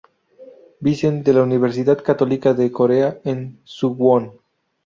Vicent de la Universidad Católica de Corea, en Suwon.